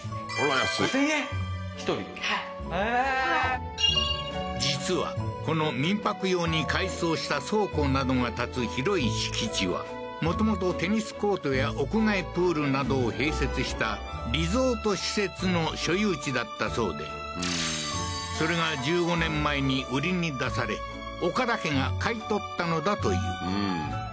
はいへえー実はこの民泊用に改装した倉庫などが建つ広い敷地はもともとテニスコートや屋内プールなどを併設したリゾート施設の所有地だったそうでそれが１５年前に売りに出され岡田家が買い取ったのだという